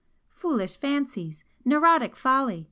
'Foolish fancies!' 'Neurotic folly!'